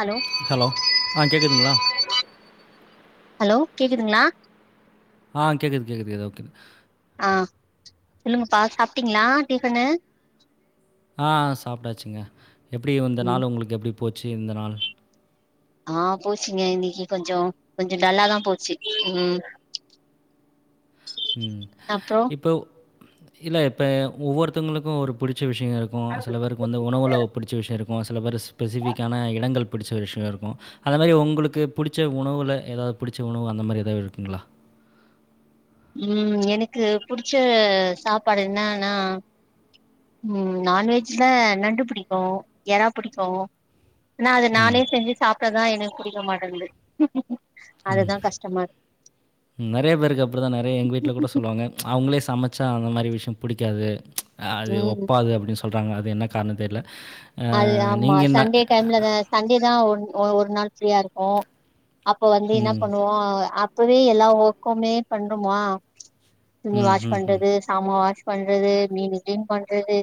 Hello hello ஆ கேக்குதுங்ளா hello கேக்குதுங்ளா ஆ கேக்குது கேக்குது இது ஒக்கேங்க ஆ சொல்லுங்கப்பா சாப்ட்டீங்களா டிஃபனு ஆ சாப்ட்டாச்சுங்க எப்பிடி இந்த ம் நாள் உங்களுக்கு எப்பிடி போச்சு இந்த நாள் ஆ போச்சுங்க இன்னைக்கி கொஞ்சோ கொஞ்சோ டல்லாதா போச்சி ம் ம் அப்றோ இப்போ இல்ல இப்போ ஒவ்வொருத்தங்களுக்கு ஒரு புடி ச்ச விஷயோ இருக்கு சில பேருக்கு வந்து உணவு பிடிச்ச விஷயோ இருக் கு சில பேர் ஸ்பெசிபிக்கான இடங்கள் பிடிச்ச ஒரு விஷியோ இருக்கு அந்த மாரி உங்களுக்கு புடிச்ச உணவுல ஏதாவது புடிச்ச உணவு அந்த மாரி ஏதாவது இருக்குங்களா ம் எனக்கு புடிச்ச சாப்பாடு என்னானா ம் நான்வெஜ்ல நண்டு புடிக்கு எறா புடிக்கு ஆனா அது ம் நானே செஞ்சு சாப்ட்டாதா எனக்கு புடிக்க மாட்டன்து ம் நெறைய பேருக்கு அப்புடி தா நெறைய எங்க வீட்ல கூட இருக்கு சொல்லுவாங்க அவங்களே சமைச்சா அந்த மாரி விஷியம் புடிக்காது அது ம் ஒப்பாது அப்டின்னு சொல்றாங்க அது என்ன காரணம் தெர்ல அது ஆமா சண்டே டைம்லதா சண்டே தா ஒரு நாள் ஃப்ரீயா இருப்போ அப்ப வந்து என்ன ம். பண்ணுவோ அப்பவே எல்லா ஒர்க்குமே பண்றமா துணி ம். வாஷ் ம். ம். பண்றது சாம வாஷ் பண்றது மீனு கிளீன் பண்றது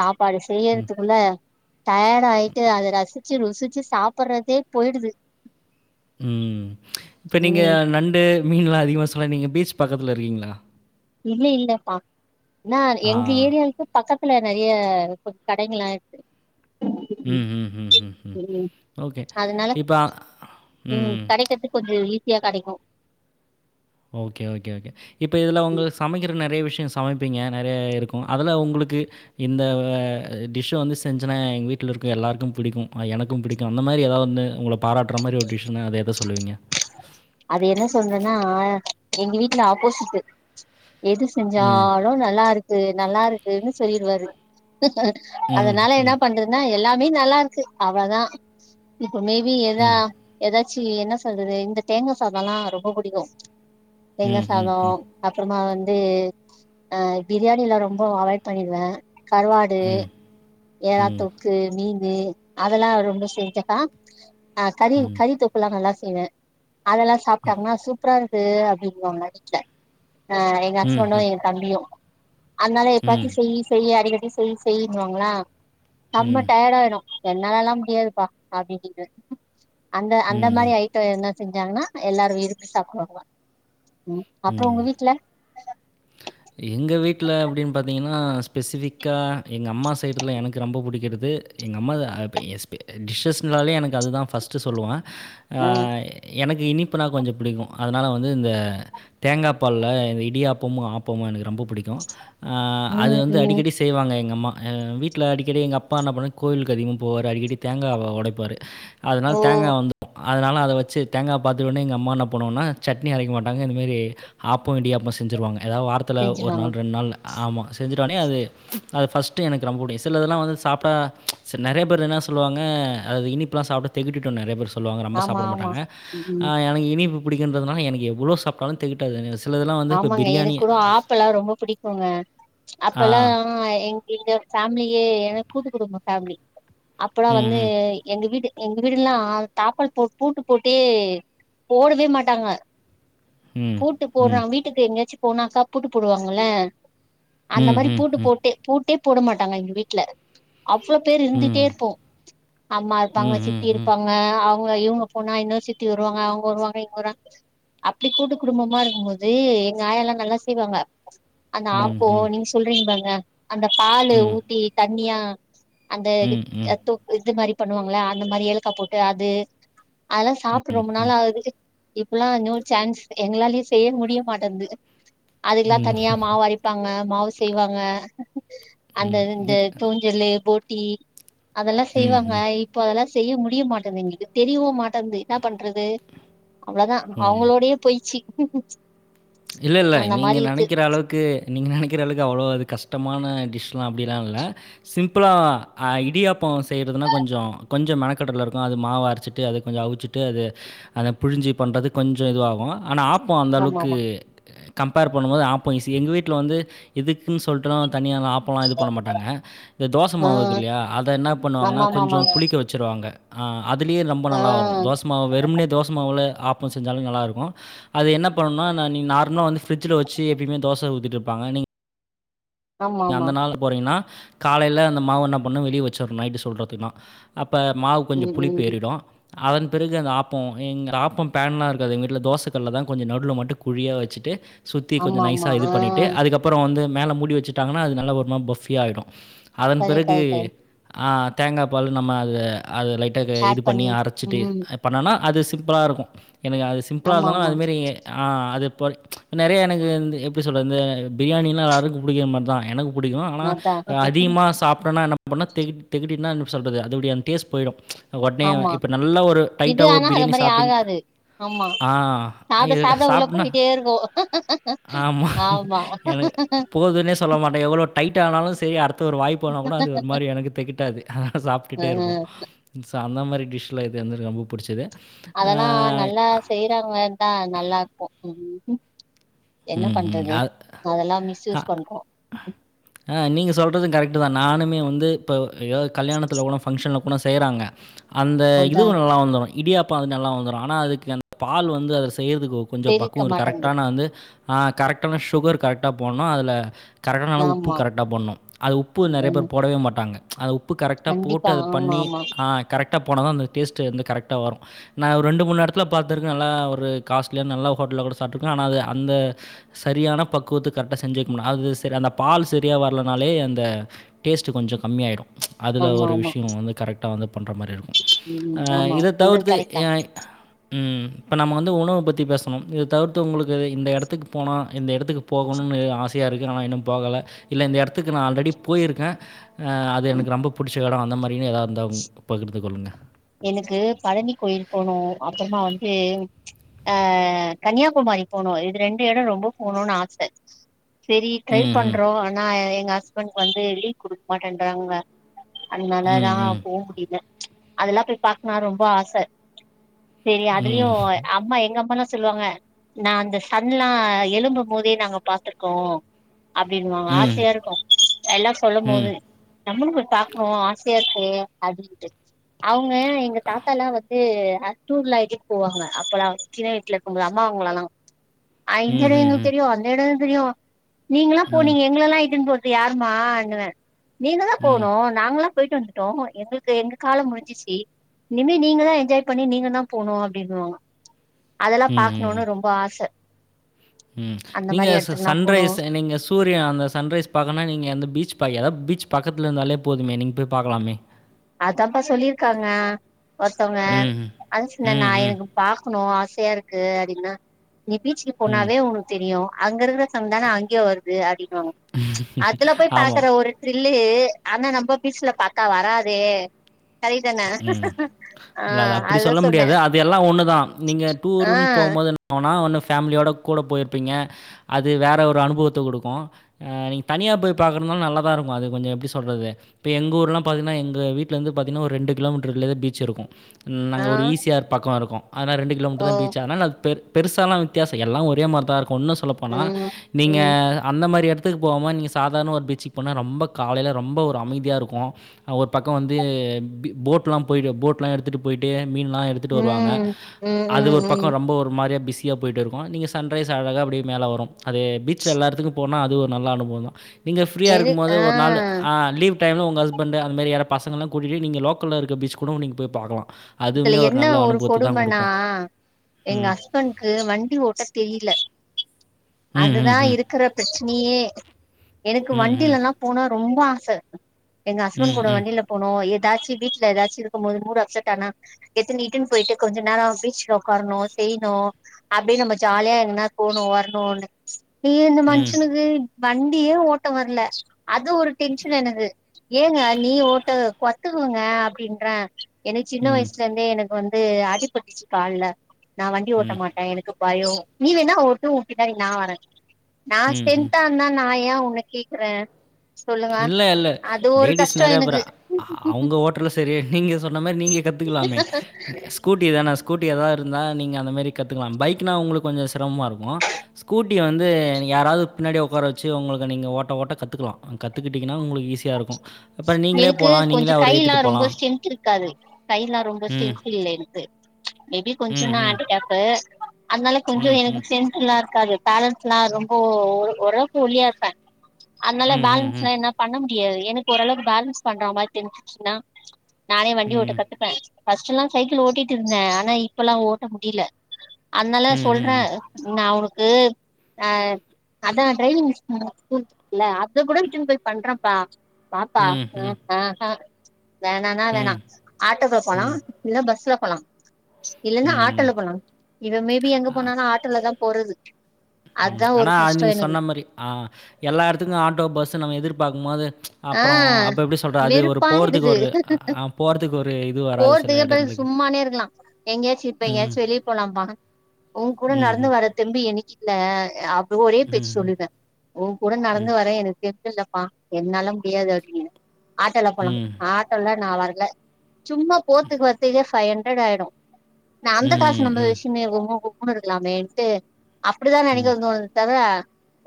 சாப்பாடு செய்யறதுக்குல டயாட் ஆயிட்டு அத ரசிச்சு ருசிச்சு சாப்பறதே போயிடுது ம் இப்பா நீங்க ம் நண்டு மீன்லா அதிகமா சொல்ல நீங்க பீச் பக்கத்துல இருக்கீங்ளா இல்ல இல்லப்பா ஆனா ஆ. எங்க ஏரியாக்கு பக்கத்துலெநிறைய கொஞ்ச கடைங்கள்லா இருக்கு ம் ம் ம் ம்ம் ம் ஓகே அதனால இப்ப ஆ ம் கெடைக்கற்து கொஞ்சம் ஈஸியா கடைக்கு ஓகே ஓகே ஓகே இப்ப இதுல உங்க சமைக்கிற நெறைய விஷ்யம் சமைப்பிங்க நெறைய இருக்கு அதல உங்களுக்கு இந்த ஆ டிஷ் வந்து செஞ்சனா எங்க வீட்ல இருக்க எல்லாருக்கு பிடிக்கு எனக்கு பிடிக் கு அந்த மாரி ஏதாவது வந்து உங்கள பாராட்டுர மாரி ஒரு டிஷ்ன அத எத சொல்லுவீங்க அது என்ன சொல்றன்னா ஆ எங்க வீட்டுல ஆப்போசிட்டு எது செஞ்சா ம். லு நல்லா இருக்கு நல்லா இருக்குன்னு சொல்லிருவாரு ம். அதனால என்னா ம். பண்றது ஆ எல்லாமே நல்லா இருக்கு அவ்ளதா இப்ப மேபி ஏதா ஏதாச்சு என்ன சொல்றது இந்த தேங்கா சாதல்லா ரொம்ப புடிக்கு தேங்கா ம். ம். சாதோ அப்பறமா வந்து அ பிரியாணில்லா ரொம்ப அவாய்ட் பண்ணிடுவே கறுவாடு எறா ம். தொக் கு மீனு அதெல்லா ரொம்ப செஞ்சக்கா ஆ கறி ம். ம். கறித்தெக்கல்லா நல்லா செய்வே அதல்லா சாப்ட்டாங்கனா சூப்பரா இருக்கு அப்டிங்குவாங்க வீட்ல ஆ எங்க ம். ஹஸ்பண்டு எ தம்பியு அதனால ம். எப்பாச்சு ம். செய் செய் அடிக்கடிசெய் செய்யினுவாங்களா செம்ம ம். டயாட் ஆயிடு என்னாலல்லா முடியாதுப்பா அப்டின்னிடுவ அந்த அந்த ம். மாரி ம். ஆ டு என்னா செஞ்சாங்கன்னா எல்லாரு விரும்பி சாப்புடுவாங்க ம் அப்புறோ உங்க ம். வீட்ல எங்க வீட்ல அப்டின்னு பாத்திங்கனா ஸ்பெசிஃபிக்கா எங்க அம்மா செய்ரதுல எனக்கு ரொம்ப புடிக்கறது எங் அம்மா எப் எஸ் பி டிஷ்ஷஸ்னாலயே எனக்கு அது தா ஃபர்ஸ்ட்டு சொல்லுவ ஆ ம் எனக்கு இனிப்புனா கொஞ்ச புடிக்கு அதனால வந்து இந்த தேங்கா பால்ல இந்த இடியாப்பமு ஆப் பமு எனக்கு ரொம்ப புடிக்கு அது ம் வந்து ம் அடிக்கடி செ ய்வாங்க எங் அம்மா அ வீட்ல அடிக்கடி எங் அப்பா என்ன பண்ணுவானு கோயிலுக்கு அதிகமா போவாரு அடிக்கடி தேங்கா வொடைப்பாரு அதனால ஓ தேங்கா வந்து அதனால அத வச்சு தேங்கா பாத்துடுவனே எங்க அம்மா என்ன பண்ணுவாங்னா சட்னி அரைக்க மாட்டாங்க இந்த மேரி ஆப்போ இடியாப்போ செஞ்சருவாங்க ஏதாவது வாரத்துல ஒரு செஞ்சிருவாங்க நாள் ரெண்டு நாள்ல ஆமா செஞ்சுட்டோனே அது அது ஃபஸ்ட்டு எனக்கு ரொம்ப புடிக்கு சிலதெல்லா வந்து சாப்புட்டா சேர் நறைய பேர் என்ன சொல்லுவாங்க அது இனிப்பலா சாப்ட்டா தெகட்டிரு நறைய பேர் செல் சொல்லுவாங்க ரொம்ப ஆமா சாப்புட ஆமா மாட்டாங்க ம் ஆ எனக்கு இனிப்பு புடிகுன்றதுனல எனக்கு எவ்ளோ சாப் ட்டாலு தெகட்டாது எனக் சிலதெல்லா வந்து எங்க எனக் கூட ஆப்பெல்லா ரொம்ப புடிக்குங்க ஆ அப்பல்லா எங் எங்க ஃபேமிலியே எனக் கூட்டு குடும்போ ஃபேமிலி அப்பல்லா ம் வந்து ம் எங்க வீட்டு எங்க வீடெல்லா ஆ தாப்பல் போட் பூட்டு போட்டே போடவே மாட்டாங்க ம் பூட்டு ம் போடுறாங்க வீட்டுக்கு எங்கேயாச்சு போனாக்கா பூட்டு போடுவாங்கல அந்த ம் மாரி ம் பூட்டு போட்டு பூட்டே போட மாட்டாங்க எங்க வீட்ல அவ்ளோ பேர் ம் இருந்துட்டே ம் இருப்போ அம்மா ம் தங்கச்சி ம் சித்தி ம் இருப்பாங் க அவுங்க இவுங்க போனா இன்னெரு சித்தி வருவாங்க அவங்க வருவாங்க இவுங்க வருவாங்க அப்படி கூட்டு குடும்பமா இருப் க்கும் போது எங்க ஆயால்லா நல்லா செய்வாங்க அந்த ம் ஆப்போ ம் நீங்க சொல்றீங்க பாருங்க அந்த பாலு ம் ஊத்தி தண்ணியா அந்த ம் ம் வித் தொக் இது மாரி பண்ணுவாங்களா அந்த மாரி ஏலக்கா போட்டு அது அதெல்லா சாப்புட்டு ரொம்ப நாளாகுது இப்பல்லா நியூ சான்ஸ் எங்கலாலே ஸ் செய்ய முடிய மாட்டேங்து அதுக்ல்லா ம் தனியா மாவரைப் பாங்க மாவு செய்வாங்க அந்த ம் இந்த இல் தூஞ்சலு போட்டி அதெல்லா ம் செய்வாங்க ம் இப்போ அதெல்லா செய்ய முடிய மாட்டேன்கிது தெரியவு மாட்டேன்கிது என்னா பண்றது அவ்ளோதா ம் அவங்களோடையே போயிச்சு இல்லல்ல அந்த நீங்க மாரி இருக்கு நெனைக்கிற அளவுக்கு நீங்க நெனைக்கிற அளவுக்கு அவ்ளோ அது கஷ்டமான டிஷ்லா அப்படிலா இல்ல சிம்பிளா ஆ இடியாப்போ செய்யறதுனா கொஞ்சோ கொஞ்ச மெனக்கடல இருக்கு அது மாவு அரைச்சிட்டு அது கொஞ்சோ அவிச்சிட் டு அது அத புழிஞ்சி பண்றது கொஞ்சோ இதுவாகு ஆனா ஆப்போ ஆமா அந்தளவுக்கு ஆமா கம்பேர் பண்ணும்போது ஆப்போ ஈஸி எங்க வீட்ல வந்து இதுக்குன் சொல்ட்டுலா தனியாலா ஆப் போலா இது பண்ண மாட்டாங்க இந்த ஆ தோசமாவுருக்குல்லையா அத என்ன பண்ணுவாங்கன்னா ஆமா கொஞ்சோ ஆமாமா புளிக்க வச்சுருவாங்க ஆ அதுலேயே ரொம்ப ஆ நல்லா வரு தோச மாவு வெறும்முனே தோச மாவுல ஆப்போ செஞ்சாலு நல்லாருக்கு அது என்ன பண்ணுனா நா நீங் நார்மலா வந்து பிரிட்ஜ்ல வச்ச எப்பயுமே தோச ஊத்திட்டுருப்பாங்க நீங் ஆமா க ஆமா அந்த நாள் போறீங்கன்னா காலையில அந்த மாவு என்ன பண்ணு வெளியே வச்சர்ன்னு நைட்டு சுட்றதுன்னா அப்ப மாவு கொஞ்சௌ ம் புளிப்பு ம் ஏறிடு அதன் பிறகு அந்த ஆப்போ எங் ஆப்போ பேன்லா இருக்காது எங்கள் வீட்ல தோசைக்கல்ல தா கொஞ்சோ நடுவுல மட்டு குழியா வச்சுட்டு சுத்தி கொஞ்சோ ஆமா ஆமா நைசாக இது ஆ பண்ணிட்டு அதுக்கப் பபுறோ வந்து மேல மூடி வச்சுட்டாங்கன்னா அது நல்ல ஒருமா பஃபியா ஆயிடு அதன் கரெக்ட் பிறகு கரெக்ட் கரெக்ட் ஆ தேங்கா பால் நம்ம அத அத லைட்டாக இது ஆட் பண்ணி அரச்சிட்டு ம் பண்ணனா அது சிம்பிளாருக்கு எனக்கு அது சிம்பிளா ஆமா இருந்தாலு ஆமா அதுமாரி ஆ அது இப்போ நறைய எனக்கு இந் எப்படி சொல்றது இந்த பிரியாணியெல்லா யாருக்கு புடிக்கிற மாரி தா எனக்கு புடிக்கு ஆனா அதா அதிகமா சாப்டனா என்ன அப்படினா தெகட் தெகட்டினா என்ன சொல்றது அதோடய அந்த டேஸ்ட் போயிடு ஒடனே ஆமா இப்போ நல்லா ஒரு இது டைட்டா ஒரு ஆனா அது பிரியாணி மாரி சாப்டிங் ஆகாது ஆமா ஆ ஆ சாப்ட இது சாப்ட உள்ள சாப்பனா போயிட்டே இருக்கு ஆமா ஆமா எனக்கு போதுனே சொல்லமாட்டே எவ்ளோ டைட் ஆனாலு சேரி அர்த் இப்ப ஒரு வாய்ப்பு ஆனா கூட அது ஒரு மாதிரி எனக்கு தெகட்டாது அதனால ஆ சாப்பிட்டுட்டே இருப்போ ஸோ அந்த மாரி டிஷில இது வந்து என ரொம்ப புடிச்சது ஆ அதெல்லா நல்லா செய்றாங்கதா நல்லா இருக்கு உம் என்ன ம், ம். பண்றது அ அதெல்லா அ மிஸ்யூஸ் பண்றோ ஆ நீங்க சொல்றது கரெக்ட்டு தா நானுமே வந்து இப்போ எதாவது கல்யாணத்தில போனா ஃபங்க்ஷன்ல போனா செய்கிறாங்க அந்த அதா இதுவு நல்லா வந்துடு இடியாப்போ அது நல்லா வந்துரு ஆனா அதுக்கு அந்த பால் வந்து அதை செய்யறதுக்கு கொஞ்சு தெரிவிக்க பக்குவோ ஒரு மாட்டேன்து கரெக்டான வந்து ஆ கரெக்டான சுகர் கரெக்டா போடணு அதுல கரெக்டானா அளவு உப்பு ஆமா கரெக்டா போடனு அது உப்பு நெறையா ம் பேர் போடவே மாட்டாங்க ம்ச் அது உ உப்பு கரெக்ட்டா போட்டு கண்டிப்பா அத ஆமா பண்ணி ஆமா ஆ கரெக்ட்டா போட்டா தா அந்த டேஸ்ட்டு வந்து கரெக்ட்டா வரு நா ஒரு ரெண்டு மூணு எடத்துல பாத்துருக்கே நல்லா ஒரு காஸ்ட்லியா நல்லா ஹோட்டல்லக் கூட சாப்பிட்டுருக்க ஆனா அது அந்த சரியான பக்குவத்துக் கரெக்ட்டா செஞ்சு வைக்கமுனு அது சரி அந்த பால் சரியா வரலனாலே அந்த டேஸ்ட்டு கொஞ்சு கம்மியாயிடு ம்ச் அதுல ஆமா ஒரு ஆமா விஷியோ வந்து கரெக்டா வந்து பண்ணுற மாரி இரு ம் ஆ ஆமா இத சொல்றது தவிர்த்து கரெக்ட் தா ஏ ம் இப்ப நம்ம வந்து உணவ பத்தி பேசணோ இத தவிர்த்து உங்களுக்கு இந்த எடத்துக்கு போனா இந்த எடத்துக்கு போகணும்னு ஆசையா இருக் கு நானா இன்னு போகல இல்ல இந்த எடத்துக்கு நா ஆல்ரெடி போயிருக்கே அது எனக்கு ரொம்ப புடிச்ச எடோ அந்த மாரின்னு எதா இருந்தாம் பகிர்ந்துக் கொள்ளுங்க எனக்கு பழனி கோயில் போணு அப்புறமா வந்து ஆ கன்னியாகுமாரி போனு இது ரெண்டு எடோ ரொம்ப போணுன்னு ஆச செரி ட்ரைப் ம் ம் பண்றோ ஆனா எங்க ஹஸ் பண் வந்து லீவு குடுக்க மாட்டேன்றாங்க அதனால தா ம் போ முடியல அதெல்லா போய் பாக்கனா ரொம்ப ஆசை சரி அதுலயு ம் அம்மா எங்க அம்மால்லா சொல்லுவாங்க நா அந்த சன்லா எலும்பு மோதே நாங்க பாத்துருக்கோ அப்படின் வாங்க ம் ஆசையா இருக்கு எல்லா ம் சொல்லும்போது ம் நம்மளு போய் பாக்கணு ஆசையா இருக்கு அப்படின்ட்டு அவங்க எங்க தாத்தா எல்லா வந்து டூர்ல அலைச்சுட்டு போவாங்க அப்பல்லா வ சின்ன வயிசுல இருக்கும்போது அம்மா அவங்களல்லா ஆ ம், இந்த ம், எடோ எங்களுக்கு ம். தெரியு அந்த எடோ தெரியு நீங்களா ம், போனீங்க எங்களல்லா இட்டு போ யாருமானுவ நீங்க தா ம், போனு நாங்களல்லா போயிட்டு வந்துட்டோ எங்களுக்கு எங்க காலோ முடிஞ் ஜிசி இனிமே நீங்க தா என்ஜாய் பண்ணி நீங்க தா போனு அப்படின்னு வாங்க அதெல்லா ம், பாக்கணுனு ம், ரொம்ப ஆச ம் அந்த நீங்க மாரி ச எடத்துக்குல்லா போணு சன்ரைஸ் நீங்க சு சூரிய அந்த சன்ரைஸ் பாக்குன்னா நீங்கவந்து பீச் பக் அதாவது பீ பக்கத்தில இருந்தாலே போதுமே நீங்கள் போய்‌ பாக்கலாமே அதாப்பா சொல்லியிருக்காங்க ஒருத்தங்க ம், ம், அது சின்ன ம், ம், நாயம் பாக்கணு ஆசையா இருக்கு அப்படின்னுனா நீ பீச்சுக்கு ம். போனாவே உனக்கு பா தெரியு அங்க இருக்கிற சன் தானே அங்கயு வருது அப்படின்னுவாங்க அதுல போய் ஆமா. பாக்குற ஒரு திர்லு ஆனா நம்ம பீச்சுல பாத்தா வராதே சரிதான உம் ஆ இல்லது அப்படி அதுதா சொல்ல சொன்னே முடியாது அது எல்லா ஒண்ணுதா நீங்க ஆ டூர்ன்னு போம்போது போனா ஒன்னு ஃபேமிலியோட கூட போயிருப்பீங்க அது வேற ஒரு அனுபவத்த குடுக்கு ஆ நீங்க தனியா போய் பாக்குரதுனாலு நல்ல தா இருக்கு அது கொஞ்சு எப்படி சொல்றது இப்ப எங்க ஊர்லா பாத்தீன்னா எங்க வீட்டுல இருந்து பாத்தீங்கா ஒரு ரெண்டு கிலோமீட்டர்க் குள்ளேயே தா பீச் இருக்கு ம் நாங்க ஆ ஒரு ஈஸியார் பக்கோ இருக்கோ அதனால ரெண்டு ட்ட ஓ தா பீச்சா அதனால பெரு பெருசல்லா வித்தியாசல்லா ஒரே மாரி தா இருக்கு உண்ணு சொல்லப்போனா ம் நீங்க ம் அந்த மாரி எடத் த்துக் போகாம நீங்க சாதாரணமா ஒரு பீச்சுக் போனா ரொம்ப காலைல ரொம்ப ஒரு அமைதியா இருக்கு ஒரு பக்கோ வந்து போட்லா போயிடு போட் ல்லா எடுத்துட் போயிட்டு மீன்ல்லா எடுத்துட் வருவாங்க ம் ம் அது ம் ஒரு பக்கோ ம் ரொம்ப ஒரு மாரியா பிசி யா போயிட் இருக்கு நீங்க சன்ரைஸ் அழகா அப்டியே மேல வரு அது பீச்சுல எல்லா எடத்துக்கு போனா அது ஒரு நல்ல அனுபவ தா நீங்க பிரியா எது இருக்கும் போது ஆ ஒரு நாளு அ லீவ் டைம்ல உங்க ஹஸ்பண்ட்டு அந் மாரி யாரோ பசங்கள்ளா கூட்டிட்டு நீங்க லோக்கல்ல இருக்க பீச் கூட நீங்க போய் பாக்கலா இதுல என்ன ஒரு கொடுமனா எங்க ம். ஹஸ்பண்ட்கு வண்டி ஓட்ட தெரியில ம் ம் ம் க்குற பிரச்னியே எனக்கு ம், ம். வண்டிலல்லா போனா ரொம்ப ஆச எங்க ஹஸ்பண்ட் ம், கூட ம். வண்டியில போனு ஏதாச்சி வீட்ல ஏதாச்சி இருக்கும் போது மூடு அப்செட் ஆனா எத்து நீட்டுன் போயிட்டு கொஞ்ச நேரா பீச்ல உக்காரணு செய்ணு அப்டியே நம்ம ஜாலியா எங்கணாது போணு வரணுனு [unintelligible] இந்த ம், மனுஷனுக்கு வண்டியே ஓட்ட வர்ல அது ஒரு டென்ஷன் எனக்கு ஏங்க நீ ஓட்ட கத்துக்குங்க அப்டின்ற எனக் சின்ன ம். வயசுலிருந்தே எனக்கு வந்து அடிப்பட்டுச்சு கால்ல நா வண்டி ஓட்ட மாட் எனக்கு பயோ நீ வேணா ஓட்டு ஒ பின்னாடி நா வரே நா ம்ஹ்ம். ஸ்ட்ரென்த்தா இருந்தா நா ஏ உன்ன கேக்கறே சொல்லுங்க இல்ல, இல்ல. அது ஒரு கஷ்டோ எனக்கு [unintelligible] செரியாயிட் நீங்க சொன்ன மாரி நீங்க கத்துக்கலாமே ஸ்கூட்டி தான ஸ்கூட்டி எதா இருந்தா நீங்க அந்தமேரி கத்துக்லா பைக்னா உங்குளுக் கொஞ்ச சிரமமா இருக்கு ஸ்கூட்டி வந்து நீங் யாராவது பின்னாடி உக்கார வெச்சு உங்குளுக்கு நீங்க ஓட்ட ஓட்ட கத்துக்லா கத்துக்கிட்டிங்கனா உங்குளுக் ஈஸியா இருக்கு எனக்கு கொஞ்ச கைல்லா ரொம்ப ஸ்ட்ரென்த் இருக்காது கைல்லா ரொம்ப ம். ஸ்ட்ரென்த் இல்ல என்க்கு மேபி கொஞ்ச நா ம்ஹ்ம். ஹேண்டிகேப்பு அத்னால கொஞ்ச எனக்கு ம்ஹ்ம். ஸ்ட்ரென்தெல்லா இருக்காது பேலன்ஸ்ல்லா ரொம்ப ஓர் ஒரவுளக் ஒல்லியா இருப்பே அத்னால ம்ஹ்ஹ்ம். பேலன்ஸ்ல்லா என்னால் பண்ண முடியாது எனக் ஓரளவுக் பேலன்ஸ் பண்ற மாரி தெரிஞ்சுச்சுனா நானே வண்டி ஓட்ட ம். கத்துப்பே ஃபர்ஸ்டெல்லா சைக்கிள் ஓட்டிட்டிருந்தே ஆனா இப்பெல்லா ஓட்ட முடில அத்னால சொல்றே ம்ஹ்ம். நா உனக்கு ஆ அதா டிரைவிங் ஸ்கூலு [unintelligible] இருக்குல்ல அத கூட இட்டுன் போய் பண்றப்பா வாப்பா ம். ம். ம். அ ஆ வேணானா ம். ம். வேணா ம், ம். ஆட்டோக்குள்ள போலா ம். இல்ல பஸ்ல போலா இல்லன்னா ம். ஆட்டோல ம். போலா இவ மேபி எங்க போனாலு ஆட்டோல தா போறது ம் அதா ஒரு ஆனா அது கஷ்டோ நீங் எனக்கு சொன்ன மாரி ஆ எல்லா எடத்துக்கு ஆட்டோ பஸ்சு நம்ம எதிர்பாக்கு போது ஆ அப்பறோ அப் எப்டி சொல்ற அது ஒரு போறதுக் அ வெறுப்பாயிடுது ஒரு போறதுக் ஒரு இது வராது சில எடங்குளுக்கு எங்கயாச்சி இப்ப எங்கயாச்சி வெளியே போலாம்பா உங்கூட நடந்து ம்ஹ்ம். வரத் தெம்பு எனக்கில்ல [unintelligible] ஒரே பேச்சு ம்ஹ்ம். சொல்லிட்ட உ கூட நடந்து ம். வர எனக் தெம்பு இல்லப்பா என்னால முடியாது [unintelligible] ஆட்டோல போல ம். ஆட்டோலா நா வர்ல சும்மா போத்துக் வர்த்துக்கே ஃபைவ் ஹண்ரட் ஆயிடு நா அந்த ம். காசு நம்ம ம். வெஸ்சுன்னே [unintelligible] கூடயிருக்லாமேன்ட்டு அப்டிதா நெனைக்க ம். தோனுது தவர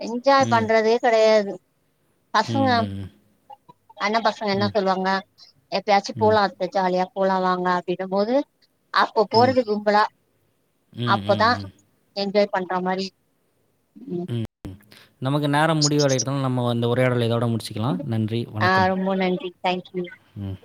என்ஜாய் ம். பண்றதே கெடையாது ம் ம் ம் அண்ண பசங்க என்ன சொல்லுவாங்க எப்பயாச்சு ம். போலா அத்த ஜாலியா போலா வாங்க அப்டினும் போது அப்ப ம். போறது கும்பலா ம். அப்பதா ம். என்ஜாய் பண்றா மாரி ம் ம் ம் நமக்கு நேரம் முடிவுவாடைர்து நம்ம வந்த உரையாடலை இதோட முடிச்சு ஆ ரொம்ப நன்றி தேங்க்யூ ம்